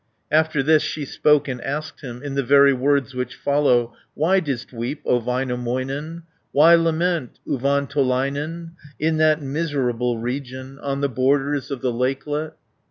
After this, she spoke and asked him, In the very words which follow: 240 "Why did'st weep, O Väinämöinen, Why lament, Uvantolainen, In that miserable region, On the borders of the lakelet?"